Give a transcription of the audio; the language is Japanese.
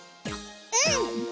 うん！